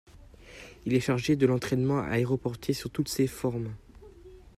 Il est chargé de l’entraînement aéroporté sous toutes ses formes.